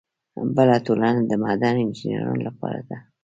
بله ټولنه د معدن انجینرانو لپاره ده.